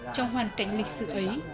trong hoàn cảnh lịch sử ấy